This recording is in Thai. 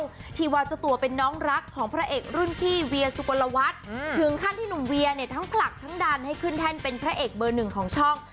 ที่ว่าเจ้าตัวเป็นน้องรักของพระเอกรุ่นพี่เวียสุกลวัฒน์ถึงขั้นที่หนุ่มเวียเนี่ยทั้งผลักทั้งดันให้ขึ้นแท่นเป็นพระเอกเบอร์หนึ่งของช่อง